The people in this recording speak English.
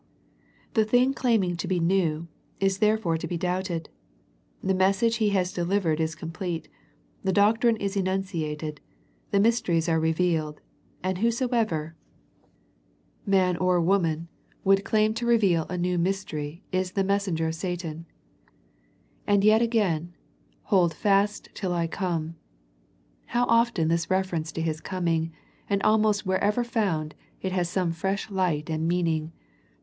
The thing claiming to be new, is therefore to be doubted. The message He has delivered is complete, the doctrine is enunciated, the mys teries are revealed, and whosoever, man or 128 A First Century Message woman, would claim to reveal a new mystery, is the messenger of Satan. And yet again " Hold fast till I come." How often this reference to His coming, and almost wherever found, it has some fresh light and meaning.